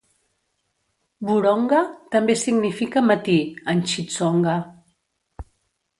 "Vurhonga" també significa "matí" en Xitsonga.